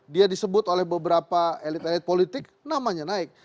dia disebut oleh beberapa elit elit politik namanya naik